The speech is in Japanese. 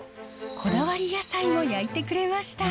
こだわり野菜も焼いてくれました。